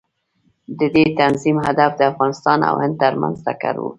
د دې تنظیم هدف د افغانستان او هند ترمنځ ټکر و.